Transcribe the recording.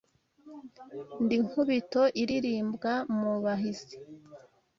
Ndi Nkubito ilirimbwa mu bahizi